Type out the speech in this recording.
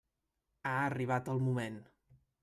Ha arribat el moment.